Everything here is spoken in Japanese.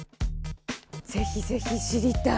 ぜひぜひ知りたい！